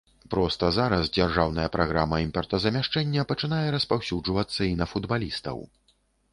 Проста зараз дзяржаўная праграма імпартазамяшчэння пачынае распаўсюджвацца і на футбалістаў.